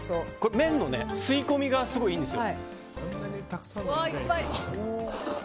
麺の吸い込みがすごい、いいんですよ。